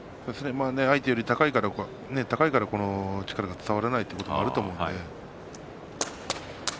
相手より高いから力が伝わらないということがあると思うんで。